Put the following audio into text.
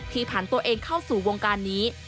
ผ่านตัวเองเข้าสู่วงการนี้